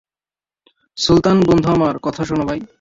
সুলতান, বন্ধু আমার, কথা শোনো ভাই।